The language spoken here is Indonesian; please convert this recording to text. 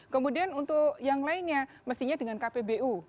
kemudian untuk yang lainnya mestinya dengan kpbu